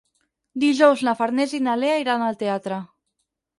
Dijous na Farners i na Lea iran al teatre.